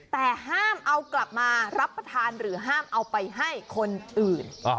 แต่ห้ามเอากลับมารับประทานหรือห้ามเอาไปให้คนอื่น